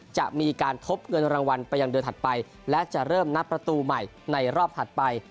จะมีการทบเงินรางวัลไปยังเดือนถัดไปและจะเริ่มนับประตูใหม่ในรอบถัดไป